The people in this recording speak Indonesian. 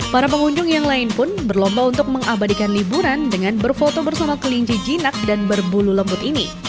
para pengunjung yang lain pun berlomba untuk mengabadikan liburan dengan berfoto bersama kelinci jinak dan berbulu lembut ini